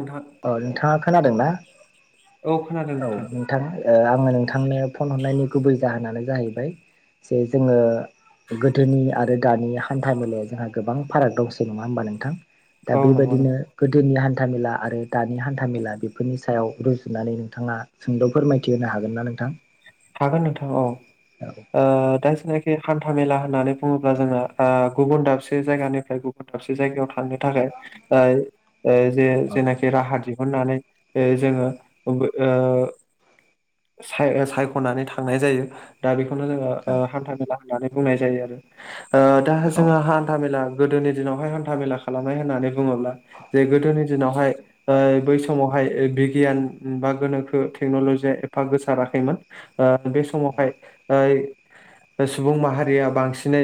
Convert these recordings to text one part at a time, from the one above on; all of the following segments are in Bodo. नोंथां औ नोंथाङा खोनादोंना? औ खोनादों औ। नोंथां आङो नोंथांनो फन हरनायनि गुबै जाहोनानो जाहैबाय जे जोङो गोदोनि आरो दानि हान्था मेलायाव जोंहा गोबां फाराग दंसै नङा होमबा नोंथां। दा औ नंगौ नों बेबायदिनो गोदोनि हान्थामेला आरो दानि हान्थामेला बेफोरनि सायाव रुजुनानै नोंथाङा सोंद' फोरमायथि होनो हागोन ना नोंथां। हागोन नोंथां औ। ओ दा जेनाखि हान्था मेला होननानै बुङोब्ला जोङो ओ गुबुन दाबसे जायगानिफ्राय गुबुन‌ दाबसे जायगायाव थांनो थाखाय ओ ओ जे- औ जेनाखि राहा दि हुननानै जोङो बो ओ साय-सायख'नानै थांनाय जायो दा बेखौनो जोङो ओ हान्था मेला होननानै बुंनाय जायो आरो। ओ दा औ जोंहा हान्था मेला गोदोनि दिनावहाय हान्था मेला खालामनाय होननानै बुङोब्ला जे गोदोनि जोंनावहाय बै समावहाय बिगियान बा गोनोखो टेक्न'लजि ए फा गोसाराखैमोन ओ बे समावहाय ओय [inaudible] सुबुं माहारिया बांसिनै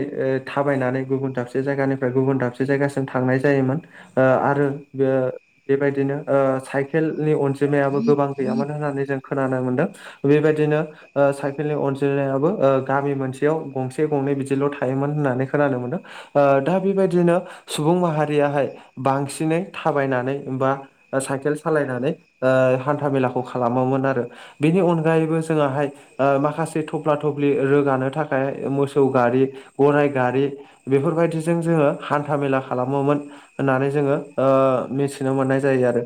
थाबायनानै गुबुन दाबसे जायगानिफ्राय गुबुन दाबसे जायगासिम थांनाय जायोमोन। आरो बे बेबायदिनो साइकेलनि जोमायाबो गोबां गैयामोन होननानै जों खोनानो मोन्दों बेबायदिनो साइकेलनि अनजिमायाबो गामि मोनसेयाव गंसे गंनै बिदिल' थायोमोन होननानै खोनानो मोनदों। दा बेबायदिनो सुबुं माहारियाहाय बांसिनै थाबायनानै बा साइकेल सालायनानै हान्था मेलाखौ खालामोमोन आरो। बेनि अनगायैबो जोङोहाय माखासे थफ्ला थफ्लि रोगानो थाखाय मोसौ गारि गराय गारि बेफोरबायदिजों जोङो हान्था मेला खालामोमोन। होननानै जोङो ओ मिथिनो मोननाय जायो आरो।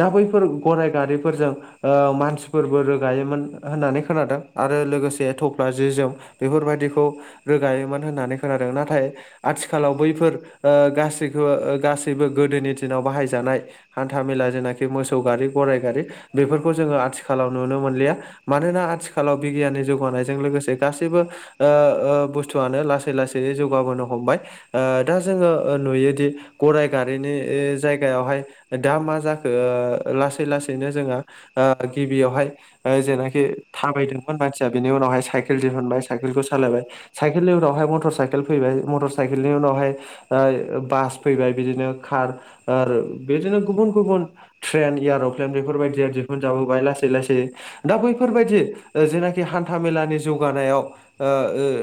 दा बैफोर गराइ गारिफोरजों ओ मानसिफोरबो रो गायोमोन होननानै खोनादों आरो लोगोसे थफ्ला जि जोम बेफोरबायदिखौ रोगायोमोन होननानै खोनादों नाथाय आथिखालाव बैफोर गासैखौ गासैबो गोदोनि दिनाव बाहायजानाय हान्था मेला जेनाखि मोसौ गारि गराइ गारि बेफोरखौ जोङो आथिखालाव नुनो मोनो या मानोना आथिखालाव बिगियाननि जौगानायजों लोगोसे गासैबो ओ ओ बुस्थुआनो लासै लासै जौगाबोनो हमबाय दा जोङो नुयोदि गराइ गारिनि जायगायावहाय दा मा जाखो लासै लासैनो जोङो ओ गिबियावहाय ओ जेनाखि थाबायदोंमोन मानसिया बिनि उनावहाय साइकेल दिहुनबाय साइकेलखौ सालायबाय साइकेलनि उनावहाय मटर साइकेल फैबाय मटर साइकेलनि उनावहाय ओ बास फैबाय बिदिनो कार ओ बिदिनो गुबुन गुबुन ट्रेन एयर'प्लेन बेफोरबायदिया दिहुनजाबोबाय लासै लासै दा बैफोरबायदि ओ जेनाखि हान्था मेलानि जौगानायाव ओ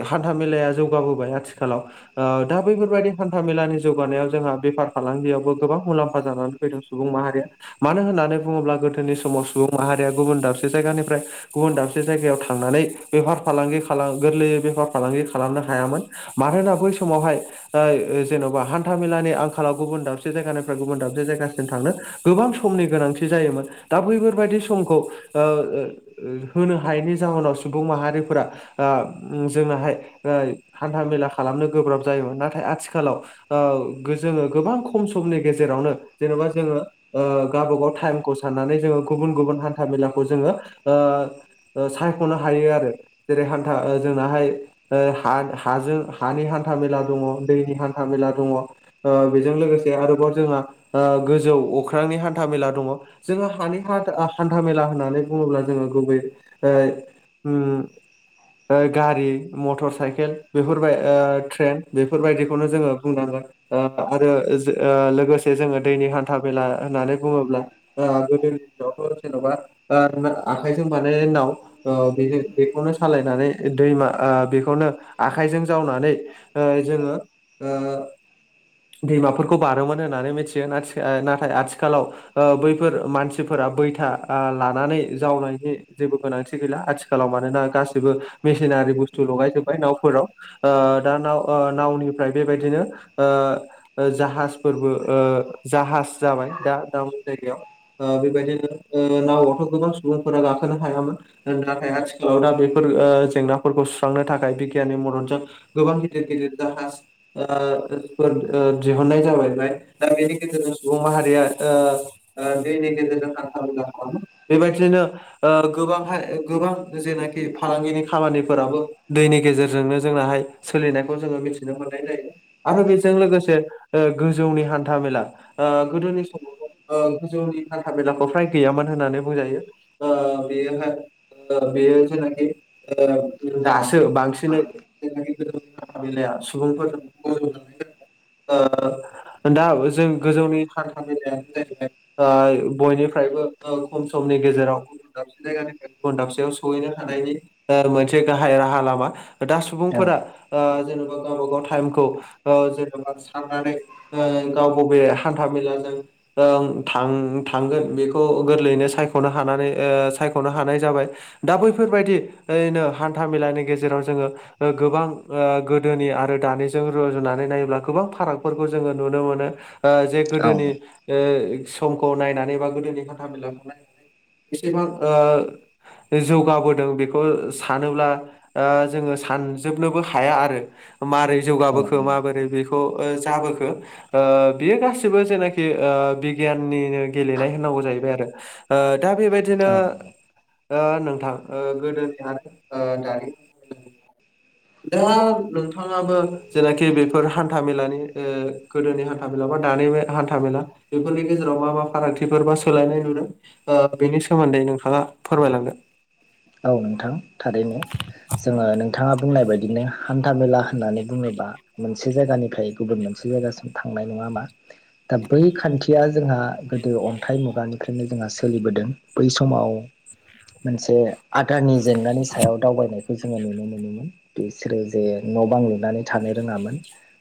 ओ हान्था मेलाया जौगाबोबाय आथिखालाव ओ दा बैफोरबायाददि हान्था मेलानि जौगानायाव जोंहा बेफार फालांगियावबो गोबां मुलाम्फा जागोन फैदों सुबुं माहारिया मानो होननानै बुङोब्ला गोदोनि समाव सुबुं माहारिया गुबुन दाबसे जायगानिफ्राय गुबुन दाबसे जायगायाव थांनानै बेफार फालांगि खालाम गोरलैयै बेफार फालांगि खालामनो हायामोन। मानोना बै समावहाय जेन'बा हान्था मेलानि आंखालाव गुबुन दावसि बे जायगानिफ्राय गुबुन दाबसे जायगासिम थांनो गोबां समनि गोनांथि जायोमोन दा बैफोरबायदि समखौ ओ होनो हायैनि जाहोनाव सुबुं माहारिफोरा जोंनाहाय हान्थाामेला खालामनो गोब्राब जायोमोन नाथाय आथिखालाव जोङो गोबां खम समनि गेजेरावनो जेनेबा जोङो गावबागाव टाइमखौ साननानै जोङो गुबुन गुबुन हान्था मेलाखौ जोङो सायख'नो हायो आरो जेरै हान्था जोंनाहाय ह हाजों हानि हान्था मेला दङ दैनि हान्था मेला दङ ओ बेजों लोगोसे आरोबाव जोंहा गोजौ अख्रांनि हान्था मेला दङ जोङो हानि ह हान्था मेला होननानै बुङोब्ला जोङो गुबै गारि मटर साइकेल बेफोरबाय ट्रेन बेफोरबायदिखौनो जोङो बुंनांगोन आरो लोगोसे जोङो दैनि हान्था मेला होननानै बुङोब्ला [unintelligible] जेनबा आ आखायजों बानायनायनिनाव बेजों ओ बेखौनो सालायनानै दैमा बेखौनो आखाइजों जावनानै जोङो ओ दैमाफोरखौ बारोमोन होननानै मिथियो नाथाय आथिखालाव ओ बैफोर मानसिफोरा बैथा ओ लानानै जावनायनि जेबो गोनांथि गैला आथिखालाव मानोना गासिबो मसिनारि बु लगाय जोबबाय नावाव दा नाव फ्राय बेबायदिनो ओ ओ जाहाजफोरबो ओ जाहाज जाबाय दा दाउनि जायगायाव ओ बेबायदिनो ओ [unintelligible] खौ गोबां सुबुंफोरा गाखोनो हायामोन नाथाय आथिखालाव दा बेफोर ओ जेंनाफोरखौ सुस्रांनो थाखाय बिगियाननि मददजों गोबां गिदिर गिदिर जाहाज ओ [unintelligible] फोर ओ दिहुननाय जालाबाय दा बेनि गेजेरजों सुबुं माहारिया ओ ओ दैनि गेजेरजों [unintelligible] बेबायदिनो ओ गोबांहाय गोबां जेनाखि फालांगिनि खामानिफोराबो दैनि गेजेरजोंनो जोंनाहाय सोलिनायखौ जोङो मिथिनो मोननाय जायो आरो बेजों लोगोसे ओ गोजौनि हान्था मेला ओ गोदोनि समाव गोजौनि हान्था मेलाखौ फ्राय गैयामोन होननानै बुंजायो ओ बेयोहाय ओ बेयो जेनाखि ओ दासो बांसिनै [unintelligible] सुबुंफोर [unintelligible] ओ दा जों गोजौनि हान्था मेेलायानो जाहैबाय ओ बयनिफ्रायबो औ खम समनि गेजेराव दाबसे जायगानिफ्राय गुबुन दाबसेयाव सहैनो हानायनि ओ मोनसे गाहाय राहा लामा दा सुबुंफोरा ओ जेनेबा गावबा गाव टाइमखौ ओ जेनेबा साननानै ओ गाव बबे हान्था मेलाजों ओं थां-थांगोन बेखौ गोरलैयैनो सायख'नो हानानै ओ सायख'नो हानाय जाबाय दा बैफोरबायदि ओरैनो हान्था मेलानि गेजेराव जोङो ओ गोबां ओ गोदोनि आरो दानिजों रुजुनानै नायोब्ला गोबां फारागफोरखौ जोङो नुनो मोनो ओ जे औ गोदोनि ओ समखौ नायनानै बा गोदोनि हान्था मेलाखौहाय बेसेबां ओ जौगाबोदों बेखौ सानोब्ला ओ जोङो सानजोबनोबो हाया आरो मारै औ जौगाबोखो नंगौ माबोरै बे ओ ओ जाबोखो ओ बियो गासिबो जेनाखि ओ बिगियाननिनो गेलेनाय होननांगौ जायो बाय आरो ओ दा बेबायदिनो औ नंगौ ओ नोंथां ओ गोदोनि आरो ओ दानि दा नोंथाङाबो जेनाखि बेफोर हान्था मेलानि ओ गोदोनि हान हान्था मेला बा दानि हान्था मेला बेफोरनि गेजेराव मा मा फारागथिफोर बा सोलायनाय नुदों ओ बेनि सोमोन्दै नोंथाङा फोरमायलांदों औ नोंथां थारैनो जोङो नोंथाङा बुंनाय बायदिनो हान्था मेला होननानै बुङोबा मोनसे जायगानिफ्राय गुबुन मोनसे जायगासिम थांनाय नङा होमबा दा बै खान्थिया जोंहा गोदो अन थाइ मुगानिफ्रायनो जोंहा सोलिबोदों बै समाव मोनसे आदारनि जेंनानि सायाव दावबायनाय खौ जोङो नुनो मोनोमोन बिसोरो जे न' बां लुनानै थानो रोङामोन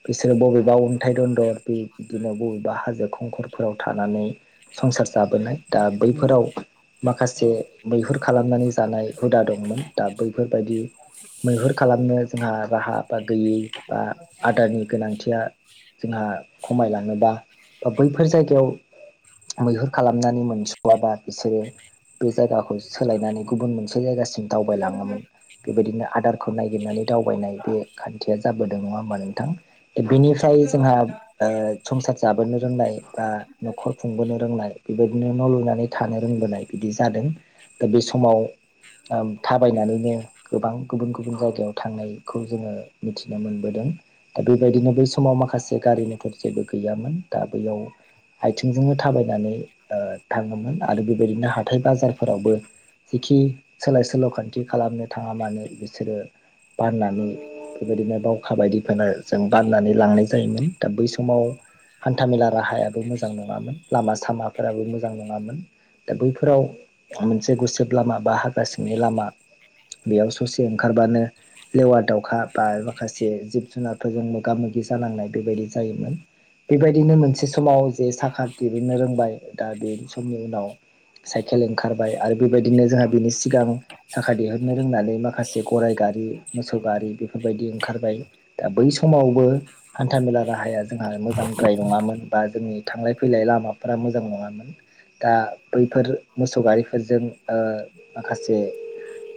बिसोरो बबेबा अन्थाइ दन्दर बे इदिनो बबेबा हाजो खंखरफोराव थानानै संसार जाबोनाय दा बैफोराव माखासे मैहुर खालामनानै थानाय हुदा दंमोन दा बैफोरबायदि मैहुर खालामनो जोंहा राहा बा गैयै बा आदारनि गोनांथिया जोंहा खमायलाङोबा ओ बैफोर जायगायाव मैहुर खालामनानै मोनस'वाबा बिसोरो बे जायगाखौ [unintelligible] गुबुन मोनसे जायगासिम दावबायलाङोमोन बेबायदिनो आदारखौ नायगिरनानै दावबायनाय बे खान्थिया जाबोदों नङा होमबा नोंथां [unintelligible] फ्राय जोंहा ओ संसार जाबोनो रोंनाय बा न'खर खुंबोनो रोंनाय बेबायदिनो न' लुनानै थानो रोंबोनाय बिदि जादों दा बे समाव ओ थाबायनानैनो गोबां गुबुन गुबुन जायगायाव थांनायखौ जोङो मिथिनो मोनबोदों दा बेबायदिनो बै समाव माखासे गारि मथर जेबो गैयामोन दा बैयाव आइथिंजोंनो थाबायनानै ओ थाङोमोन आरो बेबायदिनो हाथाय बाजारफोरावबो जिखि सोलाय सोल' खान्थि खालामनो थाङा मानो बिसोरो बाननानै बेबायदिनो बावखा बायदिफोर जों बाननानै लांनाय जायोमोन दा बै समाव हान्थामेला राहायाबो मोजां नङामोन लामा सामाफोराबो मोजां नङामोन दा बैफोराव मोनसे गुसेब लामा बा हाग्रा सिंनि लामा बेयाव ससे ओंखारबानो लेवा दावउखा बा माखासे जिब जुनारफोरजों मोगा मोगि जानांनाय बेबायदि जायोमोन बेबायदिनो मोनसे समाव जे साखात दिहुननो रोंबाय दा बे समनि उनाव साइकेल ओंखारबाय आरो बेबायदिनो जोंहा बिनि सिगां साखा दिहुननो रोंनानै माखासे गराइ गारि मोसौ गारि बेफोरबायदि ओंखारबाय दा बै समावबो हान्थाामेला राहाया जोंहा मोजांद्राय नङामोन बा जोंनि थांलाय फैलाय लामाफोरा मोजां नङामोन दा बैफोर मोसौ गारिफोरजों ओ माखासे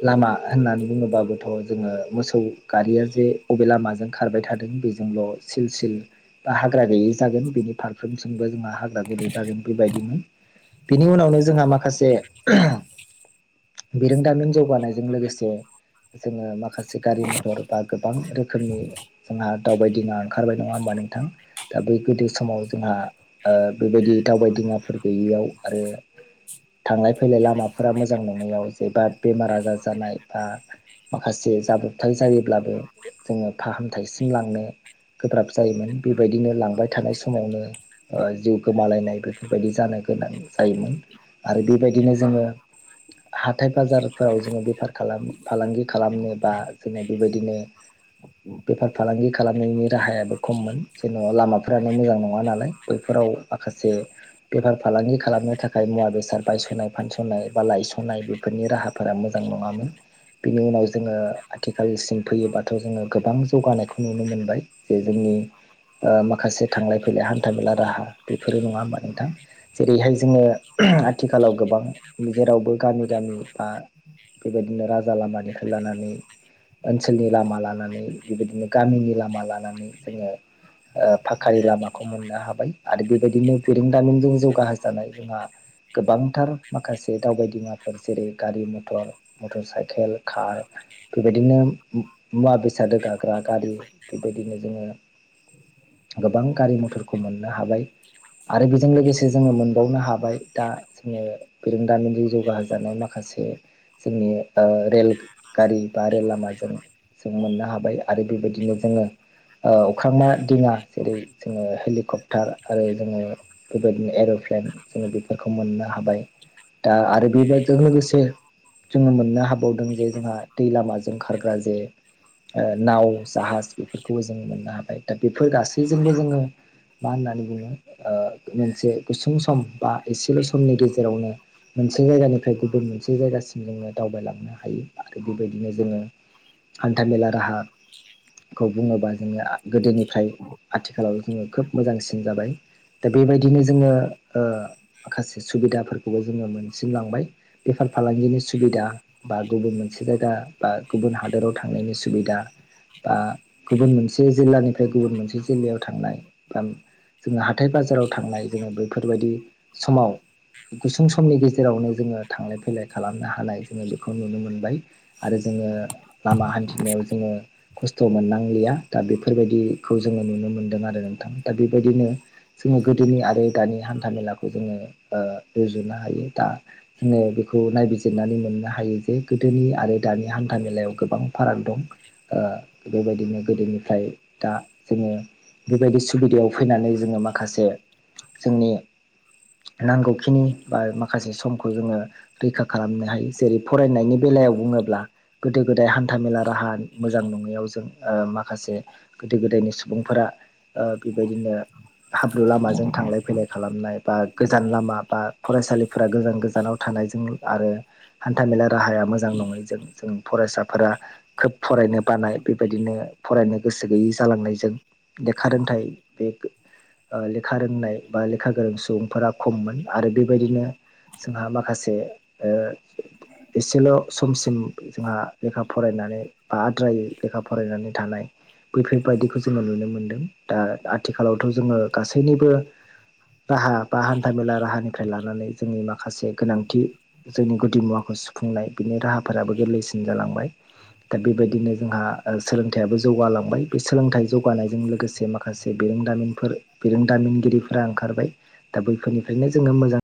लामा होननानै बुङोबाबोथ' जोङो मोसौ गारिया जे बबे लामाजों खारबाय थादों बेजों जोंल [unintelligible] ' सिल सिल बा हाग्रा गैयै जागोन बिनि फारफ्रोमसिमबो जोंहा हाग्रा गुदुं जागोन बेबायदिमोन बिनि उनावनो जोंहा माखासे बिरोंदामिन‌ जौगानायजों लोगोसे जोङो माखासे गारि मथर बा गोबां रोखोमनि जोंहा दावबायदिङा ओंखारबाय नङा होमबा नोंथां दा बै गोदो समाव जोंहा बेबायदि दावबायदिङाफोर गैयैयाव आरो थांलाय फैलाय लामाफोरा मोजां नंङैआव जेबा बेमार आजार जानाय बा माखासे जाब्रबथाय जायोब्लाबो जोङो फाहामथायसिम लांनो गोब्राब जायोमोन बेबायदिनो लांबाय थानाय समावनो जिउ गोमालायनाय बेफोरबायदि जानो गोनां जायोमोन आरो बेबायदिनो जोङो हाथाय बाजारफोराव जोङो बेफार खालाम फालांगि खालामनो बा जोङो बेबायदिनो बेफार फालांगि खालामनायनि राहायाबो खममोन जेन'बा लामाफ्रानो मोजां नङा नालाय बैफोराव माखासे बेफार फालांगि खालामनो थाखाय मुवा बेसाद बायस'नाय फानस'नाय बा लायस'नाय बेफोरनि राहाफोरा मोजां नङामोन बिनि उनाव जोङो आथिखालसिम फैयोबाथ' जोङो गोबां जौगानायखौ नुनो मोनबाय जे जोंनि माखासे थांलाय फैलाय हान्था मेला राहा बेफोरो नङा होमबा नोंथां जेरैहाय जोङो आथिखालाव गोबां जेरावबो गामि गामि बा बेबायदिनो राजा लामानिफ्राय लानानै ओनसोलनि लामा लानानै बेबायदिनो गामिनि लामा लानानै जोङो ओ फाखानि लामाखौ मोननो हाबाय आरो बेबायदिनो बेरोंदामिनजों जौगाहोजानाय जोंहा गोबांथार माखासे दावबायदिङाफोर जेरै गारि मथर मटर साइकेल कार बेबायदिनो मुवा बेसाद रोगाग्रा गारि बेबायदिनो जोङो गोबां गारि मथरखौ मोननो हाबाय आरो बेजों लोगोसे जोङो मोनबावनो हाबाय दा जोङो बिरोंदामिनजों जौगाहोजानाय माखासे जोंनि ओ रेल गारि बा रेल लामाजों जों मोननो हाबाय आरो बेबायदिनो जोङो ओ अख्रांना दिङा जेरै जोङो हेलिकप्टार आरो जोङो बेबायदिनो एर'प्लेन जोङो बेफोरखौ मोननो हाबाय दा आरो बेबायदिजों लोगोसे जोङो मोननो हाबावदों जे जोंहा दै लामाजों खारग्रा जे नाव जाहाज बेफोरखौबो जों मोननो हाबाय दा बेफोर गासैजोंबो जोङो मा होननानै बुङो मोनसे गुसुं सम बा एसेल' समनि गेजेरावनो मोनसे जायगानिफ्राय गुबुन मोनसे जायगासिम जोङो दावबायलांनो हायो आरो बेबायदिनो जोङो हान्था मेला राहा खौ बुङोबा जोङो गोदोनिफ्राय आथिखालाव जोङो खोब मोजांसिन जाबाय दा बेबायदिनो जोङो ओ माखासे सुबिदाफोरखौबो जोङो मोनसिनलांबाय बेफार फालांगिनि सुबिदा बा गुबुन मोनसे जायगा बा गुबुन हादोराव थांनायनि सुबिदा बा गुबुन मोनसे जिल्लानिफ्राय गुबुन मोनसे जिल्लायाव थांनाय बा जों हाथाय बाजाराव थांनाय जोङो बैफोरबायदि समाव गुसुं समनि गेजेरावनो जोङो थांलाय फैलाय खालामनो हानाय जोङो बेखौ नुनो मोनबाय आरो जोङो लामा हान्थिनायाव जोङो खस्थ' मोननांलिया दा बेफोरबायदिखौ जोङो नुनो मोनदों आरो नोंथां दा बेबायदिनो जोङो गोदोनि आरो दानि हान्था मेलाखौ जोङो ओ रुजुनो हायो दा जोङो बेखौ नायबिजिरनानै मोननो हायो जे गोदोनि आरो दानि हान्था मेलायाव गोबां फाराग दं बेबायदिनो गोदोनिफ्राय दा जोङो बेबायदि सुबिदायाव फैनानै जोङो माखासे जोंनि नांगौ बेखिनि बा माखासे समखौ जोङो रैखा खालामनो हायो जेरै फरायनायनि बेलायाव बुङोब्ला गोदो गोदाय हान हान्थाामेला राहा मोजां नङैयाव जों माखासे गोदो गोदायनि सुबुंफोरा बेबायदिनो हाब्रु लामाजों थांलाय फैलाय खालामनाय बा गोजान लामा बा फरायसालिफोरा गोजान गोजानाव थानायजों आरो हान्थाामेला राहाया मोजां नङै जों जों फरायसाफोरा खोब फरायनो बानाय बेबायदिनो फरायनो गोसो गैयै जालांनायजों लेखा रोंथाइ बे लेखा रोंनाय बा लेखा गोरों सुबुंफोरा खममोन आरो बेबायदिनो जोंहा माखासे ओ एसेल' समसिम जोंहा लेखा फरायनानै बा आद्रायै लेखा फरायनानै थानाय बैफोरबायदिखौ जोङो नुनो मोनदों दा आथिखालावथ' जोङो गासैनिबो राहा बा हान्था मेला राहानि निफ्राय लानानै जोंनि माखासे गोनांथि जोंनि गुदि मुवाखौ सुफुंनाय बिनि राहा फोराबो गोरलैसिन जालांबाय दा बेबायदिनो जोंहा सोलोंथायाबो जौगालांबाय बे सोलोंथाइ जौगानायजों लोगोसे माखासे बिरोंदामिन बिरोंदामिनगिरिफोरा ओंखारबाय दा बैफोरनिफ्रायनो जोङो मोजां